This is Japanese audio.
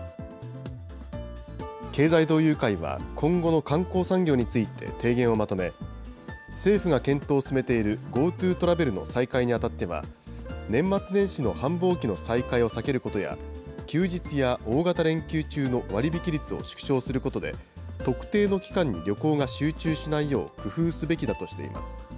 経済同友会は、今後の観光産業について提言をまとめ、政府が検討を進めているＧｏＴｏトラベルの再開にあたっては、年末年始の繁忙期の再開を避けることや、休日や大型連休中の割引率を縮小することで、特定の期間に旅行が集中しないよう工夫すべきだとしています。